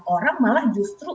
orang malah justru